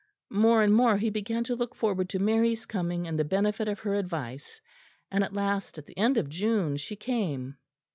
More and more he began to look forward to Mary's coming and the benefit of her advice; and at last, at the end of June, she came.